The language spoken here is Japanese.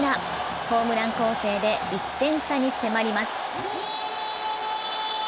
ホームラン攻勢で１点差に迫ります。